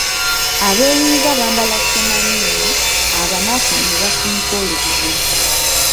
Abeeyinza bambala semaanini, Abanaku ne basumika olubugo.